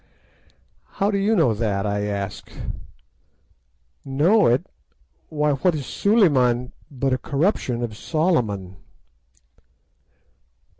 "'How do you know that?' I asked. "'Know it! why, what is "Suliman" but a corruption of Solomon?